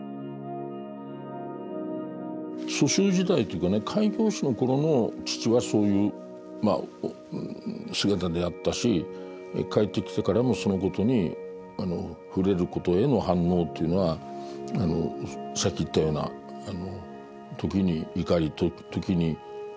蘇州時代というかね開教師の頃の父はそういうまあ姿であったし帰ってきてからもそのことに触れることへの反応というのはさっき言ったような時に怒り時に口を閉ざす。